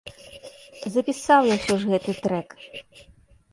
Запісаў я ўсё ж гэты трэк.